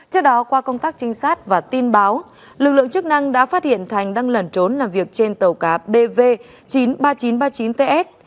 trước đó qua công tác trinh sát và tin báo lực lượng chức năng đã phát hiện thành đang lẩn trốn làm việc trên tàu cá bv chín mươi ba nghìn chín trăm ba mươi chín ts